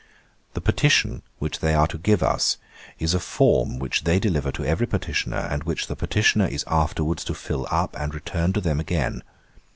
'The petition, which they are to give us, is a form which they deliver to every petitioner, and which the petitioner is afterwards to fill up, and return to them again.